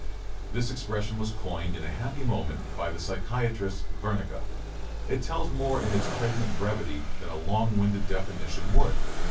This expression was coined in a happy moment by the psychiatrist Wernicke. It tells more in its pregnant brevity than a long winded definition would.